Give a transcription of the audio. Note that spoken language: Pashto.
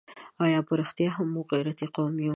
آیا په رښتیا هم موږ غیرتي قوم یو؟